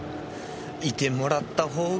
いてもらったほうが。